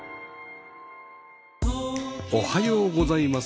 おはようございます。